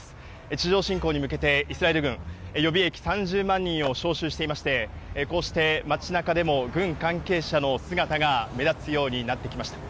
地上侵攻に向けて、イスラエル軍、予備役３０万人を招集していまして、こうして街なかでも軍関係者の姿が目立つようになってきました。